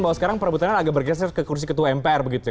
bahwa sekarang perebutan agak bergeser ke kursi ketua mpr begitu ya